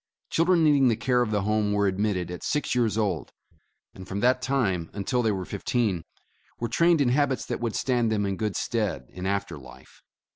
Children needing the care of the Home were admitted at six years old, and from that time until they were fifteen, were trained in habits that would stand them in good stead in after life.